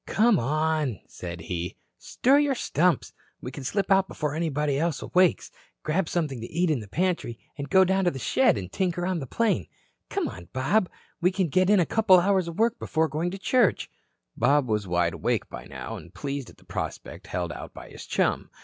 "Come on," said he. "Stir your stumps. We can slip out before anybody else awakes, grab something to eat in the pantry, and go down to the shed and tinker on the plane. Come on, Bob, we can get in a couple of hours work before going to church." Bob was wide awake by now, and pleased at the prospect held out by his chum.